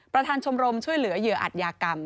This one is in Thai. ชมรมช่วยเหลือเหยื่ออัตยากรรม